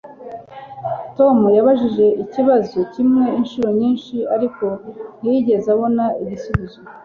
Tom yabajije ikibazo kimwe inshuro nyinshi ariko ntiyigeze abona igisubizo